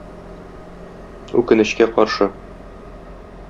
Үкенечкә каршы